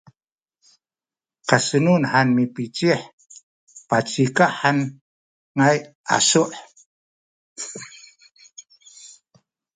kasenun hantu mipecih pacikah han ngaay asu’